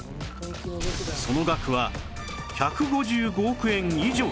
その額は１５５億円以上